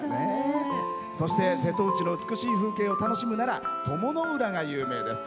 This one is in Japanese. そして、瀬戸内の美しい風景を楽しむなら鞆の浦が有名です。